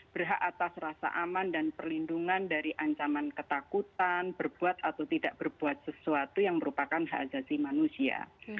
berhak atas rasa aman dan perlindungan dari ancaman ketakutan berbuat atau tidak berbuat sesuatu yang merupakan hak ajasi manusia